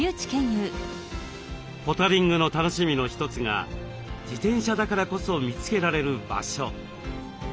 ポタリングの楽しみの一つが自転車だからこそ見つけられる場所。